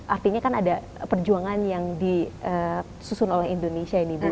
artinya kan ada perjuangan yang disusun oleh indonesia ini bu